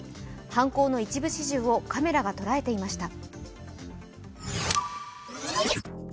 犯行の一部始終をカメラが捉えていました。